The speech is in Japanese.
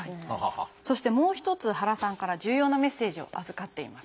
そしてもう一つ原さんから重要なメッセージを預かっています。